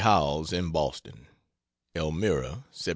Howells, in Boston: ELMIRA, Sept.